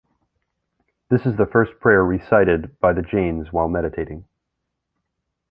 This is the first prayer recited by the Jains while meditating.